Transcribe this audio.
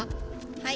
はい。